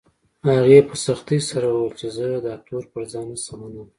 هغې په سختۍ سره وويل چې زه دا تور پر ځان نه شم منلی